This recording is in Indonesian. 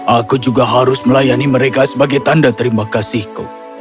aku juga harus melayani mereka sebagai tanda terima kasihku